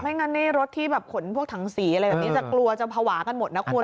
งั้นนี่รถที่แบบขนพวกถังสีอะไรแบบนี้จะกลัวจะภาวะกันหมดนะคุณ